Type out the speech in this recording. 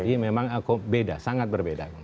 jadi memang beda sangat berbeda